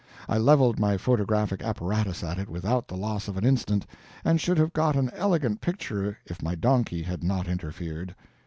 I leveled my photographic apparatus at it without the loss of an instant, and should have got an elegant picture if my donkey had not interfered.